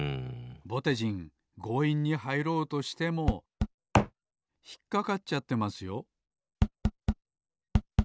ぼてじんごういんにはいろうとしてもひっかかっちゃってますよ